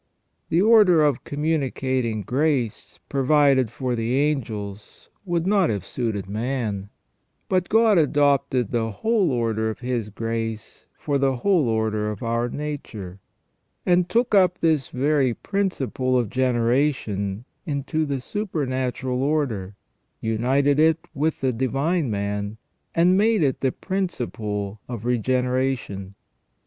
The order of communicating grace provided for the angels would not have suited man ; but God adopted the whole order of His grace for the whole order of our nature ; and 344 THE REGENERATION OF MAN took up this very principle of generation into the supernatural order, united it with the Divine Man, and made it the principle of regeneration.